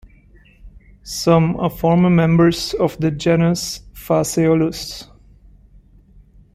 Some are former members of the genus "Phaseolus".